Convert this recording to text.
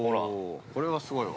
これはすごいわ。